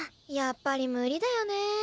やっぱり無理だよね。